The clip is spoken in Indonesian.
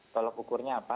tolok ukurnya apa